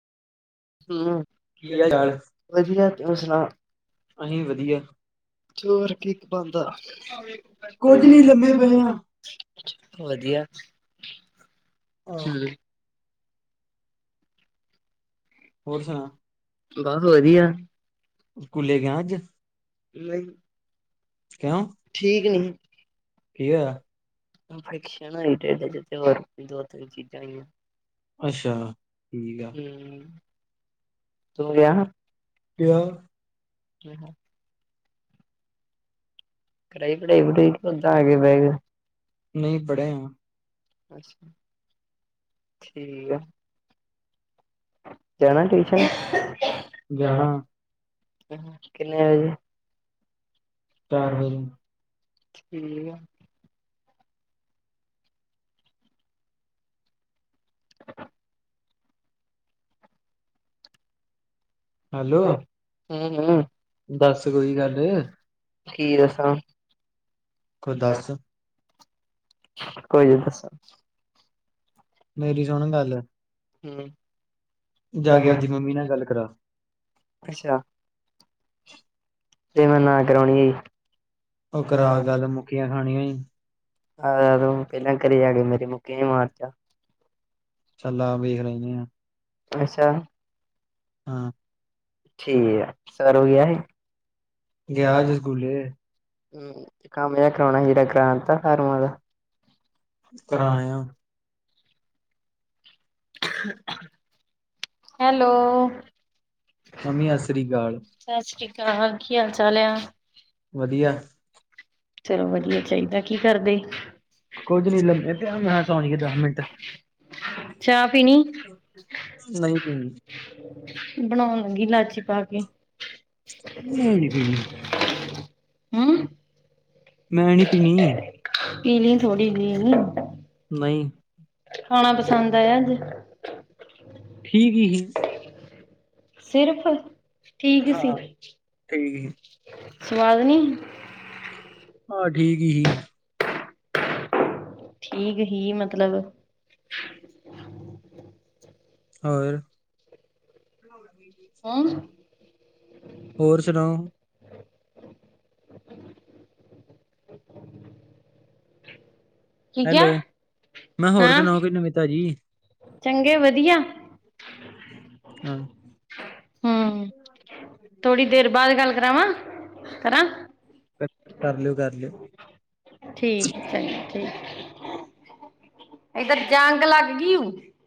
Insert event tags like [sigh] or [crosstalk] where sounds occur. [unintelligible] ਵਧੀਆ ਤੂ ਸੁਨਾ? ਚੋਰ ਕੀਕ ਬਾਨਦਾ, ਕੁੱਝ ਨੀ ਗਂਦੇ ਪਏ ਆਂ। ਵਦੀਆ, ਹੂੰ। ਬਾੱਸ ਵਦੀਆ। ਨਈ, ਠੀਕ ਨੀਹੀ। ਇਨਫੇਕਸ਼ਨ ਹੋਈ ਟੇੱਡ ਏਚ ਤੇ ਹੋਰ ਵੀ ਦੋ-ਤਿੰਨ ਚੀਜਾਂ ਹੋਈਆਂ। ਅੱਸ਼ਆ, ਠੀਕ ਐ। ਤੂ ਗੇਆ ਹਾ? ਕਰਾਈ ਪਢਾਈ ਪੜੂਈ ਕਿ ਹੁੰਦਾ ਆਗੇ ਬੈਗੇ ਓ [unintelligible] ਅੱਸਾ, ਠੀਕ ਆ। ਜਾਣਾ ਟਿਊਸ਼ਨ, ਜਾਨਾ, ਕਿੰਨੇ ਵਜੇ? [unintelligible] ਠੀਕ ਆ। ਹੈਲੋ। ਹੂੰ, ਹੂੰ। [unintelligible] ਕੀ ਦੱਸਾਂ? ਕੋਈ ਨੀ ਦੱਸੋ। [inaudible] ਅੱਸਾ਼। ਤੇ ਮੈਂ ਨਾ ਕਰਾਉਣੀ [unintelligible] [inaudible] ਆਰੋਂ ਪੈਹਲਾਂ ਘਰੇ ਆ ਕੇ ਮੇਰੇ ਮੁੱਕੇ ਮਾਰ ਜਾ। ਅੱਸਾ। ਹਾਂ। ਠੀਕ ਐ, ਸੋਰਵ ਗੇਆ ਸੀ? ਗੇਆ ਸੀ ਸਕੂਲੇ। [inaudible] ਤਰਾ ਆਏਂ ਓ। ਹੈਲੋ। ਸਸ਼੍ਰੀ ਕਾਲ, ਕੀ ਹਾਲ ਚਾਲ ਆ? [unintelligible] ਚਲੋ ਵਦੀਆ ਚਾਈਦੈ, ਕੀ ਕਰਦੇ? ਕੁੱਝ ਨੀ ਲੱਨੇ ਪੇਆ ਮੈ ਸੋਂਈ ਦਾਅ ਮਿੰਟ। [unintelligible] ਨਹੀਂ ਪੀਨੀ। ਬਣਾਉਣ ਲੱਗੀ ਲਾਚੀ ਪਾ ਕੇ। ਮੈਂ ਨੀ ਪੀਣੀ। ਹੂੰ। ਮੈਂ ਣੀ ਪੀਣੀ। ਪੀਲੀਂ ਥੋੜੀ ਜੀ। ਨਹੀਂ। ਖਾਣਾ ਪਸੰਦ ਆਏਆ ਅੱਜ? ਠੀਕ ਈ ਹੀ। ਸਿਰਫ਼, ਠੀਕ ਸੀ? [inaudible] ਸਵਾਦ ਨੀ ਹੀ? ਹਾਂ, ਠੀਕ ਈ ਹੀ। ਠੀਕ ਹੀ ਮਤਲਬ? ਹੋਰ। [inaudible] ਕੋਣ? ਹੋਰ ਸੁਣਾਓ। ਹੈਲੋ। ਮੈਂ ਹੋਰ ਸੁਣਾਓ ਕੋਈ ਨਵੀਂ ਤਾਜੀ। ਚੰਗੇ ਵਧੀਆ। ਹਾਂ। ਥੋੜ੍ਹੀ ਦੇਰ ਬਾਦ ਗੱਲ ਕਰਾਵਾਂ ਕਰਾਂ। ਕ ਕਰ ਲੇਓ, ਕਰ ਲੇਓ ਠੀਕ ਏ, ਠੀਕ ਏ -ਇਧਰ ਜਾਂਗ ਲੱਗ ਗੀ ਊ।